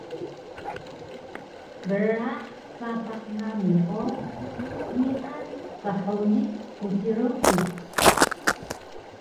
Brah sapah nami o niqan qhuni quci rudux